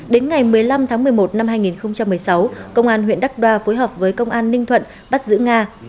đến ngày một mươi năm tháng một mươi một năm hai nghìn một mươi sáu công an huyện đắk đoa phối hợp với công an ninh thuận bắt giữ nga